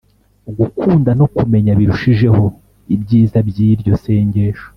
gukunda no kumenya birushijeho ibyiza by’iryo sengesho